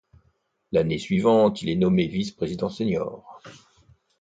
L'année suivante, il est nommé vice-président senior.